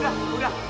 tuh gue tabuk